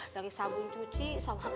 dari sabun cuci sama